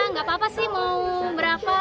nggak apa apa sih mau berapa